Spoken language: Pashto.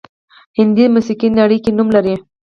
هندي موسیقي نړۍ کې نوم لري